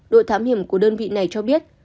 đội thám hiểm của đơn vị này cho biết